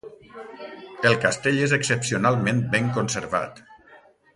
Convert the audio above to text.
El castell és excepcionalment ben conservat.